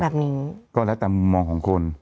แบบนี้ก็แล้วแต่มุมมองของคน